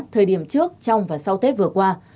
thời điểm trước trong và sau tết vừa qua